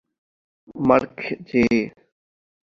Mark J.